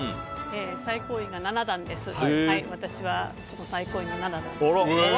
最高位が七段で私はその最高位の七段です。